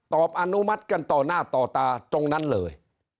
อนุมัติกันต่อหน้าต่อตาตรงนั้นเลย